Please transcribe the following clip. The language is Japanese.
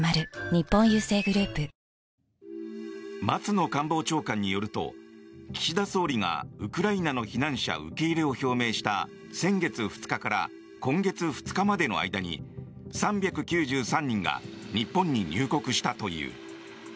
松野官房長官によると岸田総理がウクライナの避難者受け入れを表明した先月２日から今月２日までの間に３９３人が日本に入国したという。